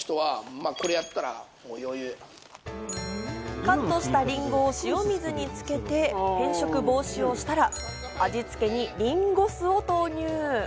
カットしたりんごを塩水に漬けて、変色防止をしたら、味つけにりんご酢を投入。